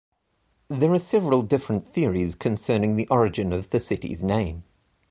There are several different theories concerning the origin of the city's name.